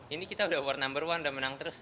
ini kita udah over number one udah menang terus